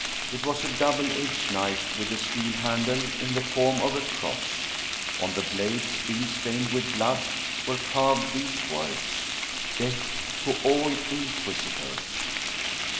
It was a double edged knife with a steel handle in the form of a cross. On the blade, still stained with blood, were carved the words :" Death to all Inquisitors